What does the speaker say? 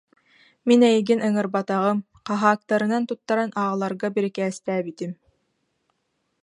Мин эйигин ыҥырбатаҕым, хаһаактарынан туттаран аҕаларга бирикээстээбитим